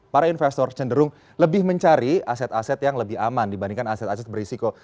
para investor cenderung lebih mencari aset aset yang lebih aman dibandingkan aset aset berisiko